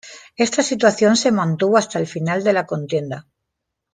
Esta situación se mantuvo hasta el final de la contienda.